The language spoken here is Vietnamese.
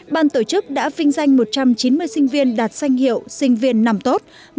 ban tổ chức đã vinh danh một trăm chín mươi sinh viên đạt danh hiệu sinh viên năm tốt